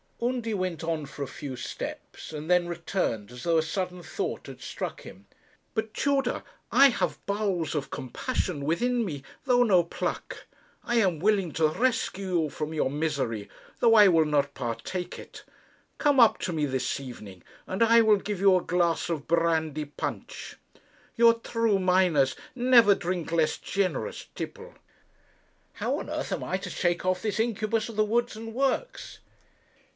Undy went on for a few steps, and then returned, as though a sudden thought had struck him. 'But, Tudor, I have bowels of compassion within me, though no pluck. I am willing to rescue you from your misery, though I will not partake it. Come up to me this evening, and I will give you a glass of brandy punch. Your true miners never drink less generous tipple.' 'How on earth am I to shake off this incubus of the Woods and Works?'